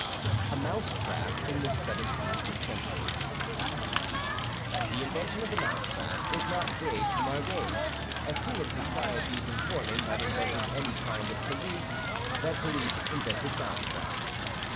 A MOUSETRAP IN THE SEVENTEENTH CENTURY The invention of the mousetrap does not date from our days; as soon as societies, in forming, had invented any kind of police, that police invented mousetraps.